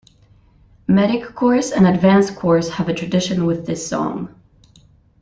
Medic Course and Advanced Course have a tradition with this song.